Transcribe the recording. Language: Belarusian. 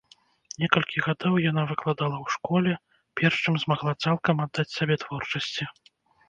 Некалькі гадоў яна выкладала ў школе, перш чым змагла цалкам аддаць сябе творчасці.